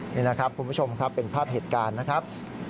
นี่นะครับคุณผู้ชมครับเป็นภาพเหตุการณ์นะครับ